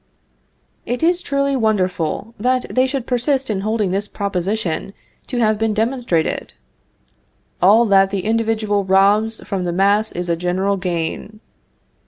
It is truly wonderful that they should persist in holding this proposition to have been demonstrated: _All that the individual robs from the mass is a general gain.